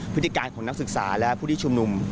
พฤติการของนักศึกษาและผู้ที่ชุมนุม